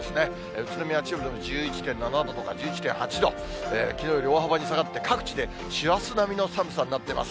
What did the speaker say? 宇都宮、千葉は１１．７度とか１１．８度、きのうより大幅に下がって、各地で師走並みの寒さになってます。